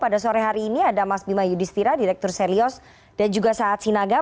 pada sore hari ini ada mas bima yudhistira direktur selyos dan juga sahat sinaga